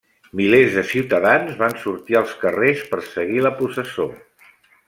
Milers de ciutadans van sortir als carrers per seguir la processó.